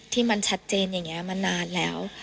ที่มันชัดเจนอย่างนี้มานานแล้ว